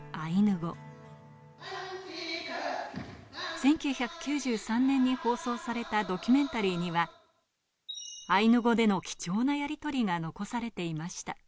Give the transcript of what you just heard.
１９９３年に放送されたドキュメンタリーにはアイヌ語での貴重なやりとりが残されていました。